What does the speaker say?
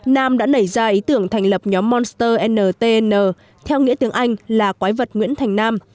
nam đã nảy ra ý tưởng thành lập nhóm monster ntn theo nghĩa tiếng anh là quái vật nguyễn thành nam